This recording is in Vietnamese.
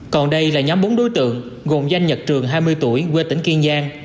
còn đây là nhóm bốn đối tượng gồm danh nhật trường hai mươi tuổi quê tỉnh kiên giang